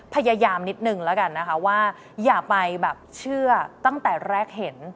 พยายามนิดนึงแล้วกันนะคะว่าอย่าไปแบบเชื่อตั้งแต่แรกเห็น